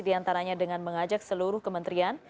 diantaranya dengan mengajak seluruh kementerian